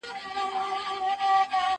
زه پرون سينه سپين کړه!؟